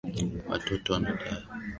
Watoto wanatakiwa kuelezwa.